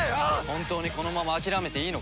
本当にこのまま諦めていいのか？